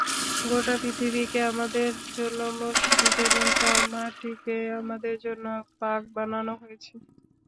গোটা পৃথিবীকে আমাদের জন্য মসজিদ এবং তার মাটিকে আমাদের জন্য পাক বানানো হয়েছে।